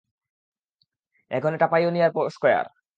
এখন এটা pioneer square.